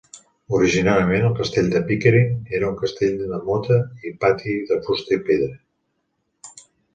Originàriament, el castell de Pickering era un castell de mota i pati de fusta i pedra.